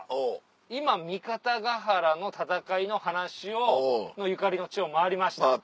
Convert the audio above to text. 今三方ヶ原の戦いの話をのゆかりの地を回りました。